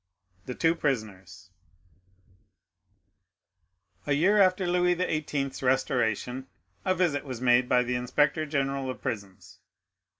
The Two Prisoners A year after Louis XVIII.'s restoration, a visit was made by the inspector general of prisons.